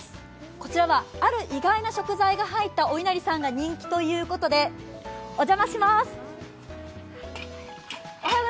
こちらはある意外な食材が入ったおいなりさんが人気ということでお邪魔します。